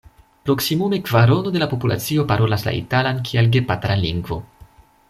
Proksimume kvarono de la populacio parolas la italan kiel gepatra lingvo.